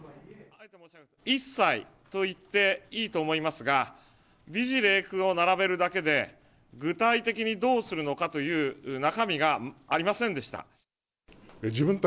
一切と言っていいと思いますが、美辞麗句を並べるだけで、具体的にどうするのかという中身がありませんでした。